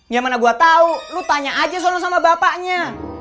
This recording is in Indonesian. gimana gue tau lo tanya aja sama bapaknya